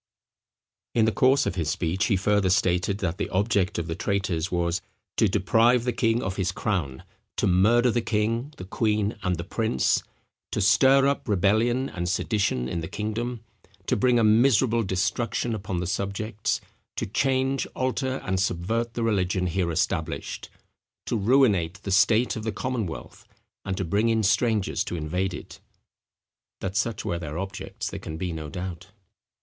In the course of his speech he further stated, that the object of the traitors was "to deprive the king of his crown; to murder the king, the queen, and the prince; to stir up rebellion and sedition in the kingdom; to bring a miserable destruction upon the subjects; to change, alter, and subvert the religion here established; to ruinate the state of the commonwealth, and to bring in strangers to invade it." That such were their objects there can be no doubt.